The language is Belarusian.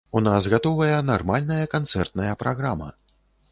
У нас гатовая нармальная канцэртная праграма.